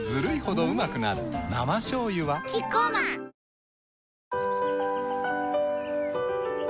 生しょうゆはキッコーマン・チーン